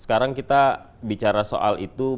sekarang kita bicara soal itu